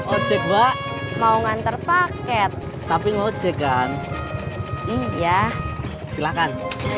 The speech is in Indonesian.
ojek mbak mau ngantar paket tapi ngojek kan iya silakan